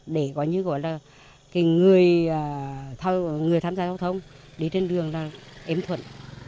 để người tham gia giao thông đi trên đường ếm thuận